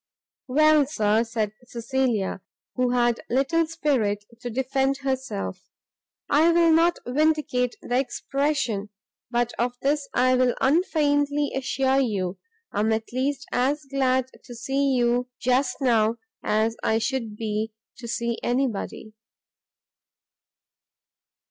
"Well, Sir," said Cecilia, who had little spirit to defend herself, "I will not vindicate the expression, but of this I will unfeignedly assure you, I am at least as glad to see you just now, as I should be to see anybody."